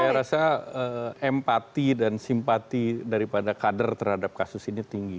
saya rasa empati dan simpati daripada kader terhadap kasus ini tinggi